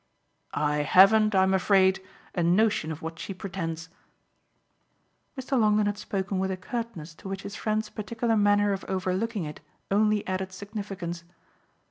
"I haven't, I'm afraid, a notion of what she pretends!" Mr. Longdon had spoken with a curtness to which his friend's particular manner of overlooking it only added significance.